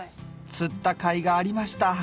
釣ったかいがありました